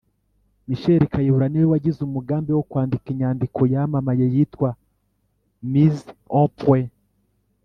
Michel Kayihura: ni we wagize umugambi wo kwandika inyandiko yamamaye yitwa "Mise au point"